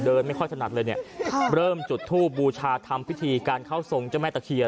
ไม่ค่อยถนัดเลยเนี่ยเริ่มจุดทูบบูชาทำพิธีการเข้าทรงเจ้าแม่ตะเคียน